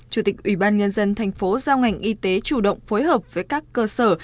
chủ tịch ủy ban nhân dân thành phố giao ngành y tế chủ động phối hợp với các cơ sở